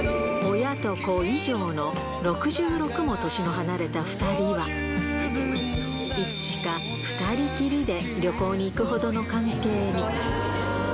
親と子以上の６６も年の離れた２人は、いつしか２人きりで旅行に行くほどの関係に。